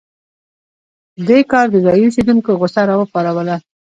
دې کار د ځايي اوسېدونکو غوسه راوپاروله.